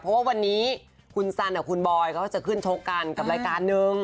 เพราะว่าวันนี้คุณสันกับคุณบอยเขาจะขึ้นชกกันกับรายการนึง